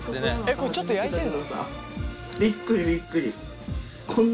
これちょっと焼いてんの？